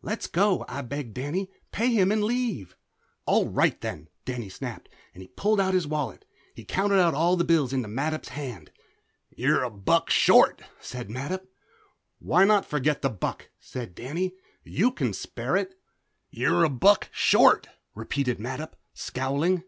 "Let's go," I begged Danny. "Pay him and leave." "All right then!" Danny snapped, and pulled out his wallet. He counted out all his bills into Mattup's hand. "You're a buck short," said Mattup. "Why not forget the buck?" said Danny. "You can spare it." "You're a buck short," repeated Mattup, scowling.